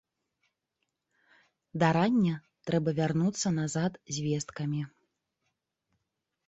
Да рання трэба вярнуцца назад з весткамі.